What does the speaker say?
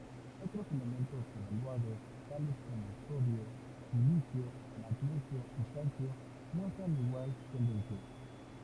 Otros elementos evaluados tales como sodio, silicio, magnesio y calcio muestran igual tendencia.